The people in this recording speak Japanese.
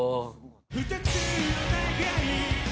「二つの長い」